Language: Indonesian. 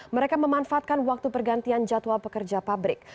mereka memanfaatkan waktu pergantian jadwal pekerja pabrik